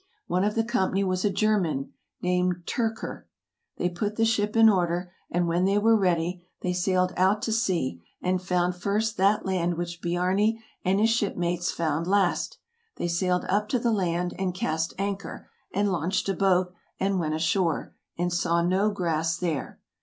One of the company was a German, named Tyrker. They put the ship in order; and, when they were ready, they sailed out to sea, and found first that land which Biarni and his shipmates found last. They sailed up to the land, and cast anchor, and launched a boat, and went ashore, and saw no grass there.